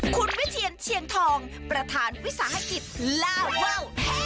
คุณวิเทียนเชียงทองประธานวิสาหกิจล่าว่าว